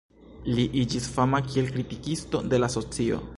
Li iĝis fama kiel kritikisto de la socio.